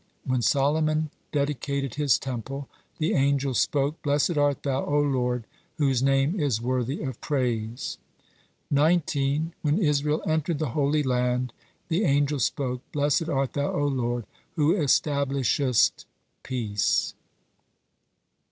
When Solomon dedicated his Temple, the angels spoke: "Blessed art Thou, O Lord, whose Name is worthy of praise." 19. When Israel entered the Holy Land, the angels spoke: "Blessed art Thou, O Lord, who establishest peace."